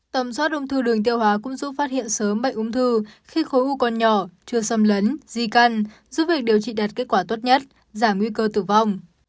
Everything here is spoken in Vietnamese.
tầm soát ung thư đường tiêu hóa cũng giúp phát hiện sớm bệnh ung thư khi khối u còn nhỏ chưa xâm lấn di căn giúp việc điều trị đạt kết quả tốt nhất giảm nguy cơ tử vong